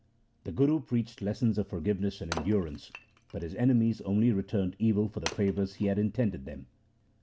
The Guru preached lessons of forgiveness and endurance, but his enemies only returned evil for the favours he had intended them.